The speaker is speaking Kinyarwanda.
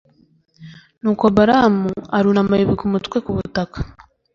nuko balamu arunama yubika umutwe ku butaka.